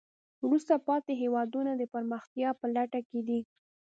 وروسته پاتې هېوادونه د پرمختیا په لټه کې دي.